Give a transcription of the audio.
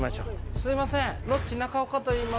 すいません。